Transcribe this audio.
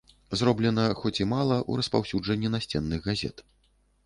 Зроблена, хоць і мала, у распаўсюджанні насценных газет.